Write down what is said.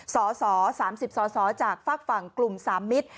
สส๓๐สสจากฝากฝั่งกลุ่ม๓มิตร